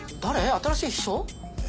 新しい秘書？え？え？